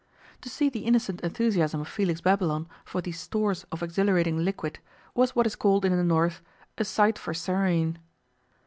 To see the innocent enthusiasm of Felix Babylon for these stores of exhilarating liquid was what is called in the North 'a sight for sair een'.